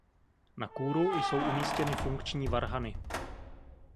Na kůru jsou umístěny funkční varhany.